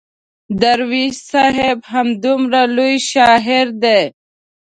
درویش صاحب همدومره لوی شاعر دی.